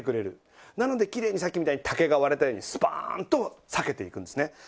なのできれいにさっきみたいに竹が割れたようにスパーンと裂けていくんですね。